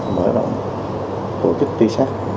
mở động tổ chức tính xác